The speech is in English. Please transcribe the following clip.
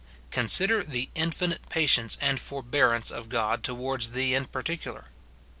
Consider the infinite patience and forbearance of God towards thee in particular.